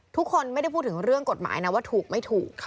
ทุกคนไม่ได้พูดถึงเรื่องกฎหมายนะว่าถูกไม่ถูก